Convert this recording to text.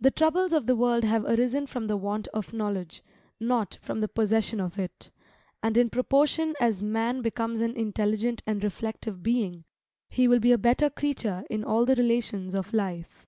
The troubles of the world have arisen from the want of knowledge, not from the possession of it. And in proportion as man becomes an intelligent and reflective being, he will be a better creature in all the relations of life.